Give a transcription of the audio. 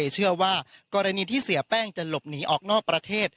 เชื่อว่ากรณีที่เสียแป้งจะหลบหนีออกนอกประเทศ